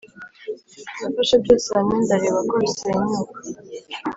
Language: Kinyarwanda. nafashe byose hamwe ndareba ko bisenyuka